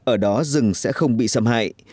ở đó rừng sẽ không bị xâm hại